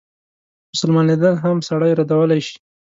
مسلمانېدل هم سړی ردولای شي.